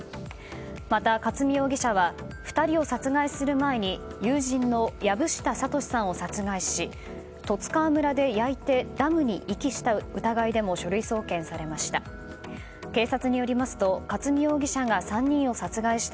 また克巳容疑者は２人を殺害する前に友人の薮下諭さんを殺害し十津川村で焼いてダムに遺棄した疑いでも書類送検されました。